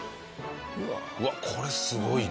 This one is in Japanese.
うわっこれすごいな。